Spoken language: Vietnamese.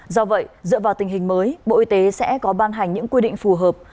do vậy dựa vào tình hình mới bộ y tế sẽ có ban hành những quy định phù hợp